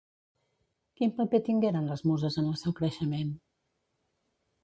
Quin paper tingueren les Muses en el seu creixement?